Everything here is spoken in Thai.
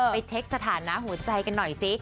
ไปเช็คสถานะหัวใจกันหน่อยสิ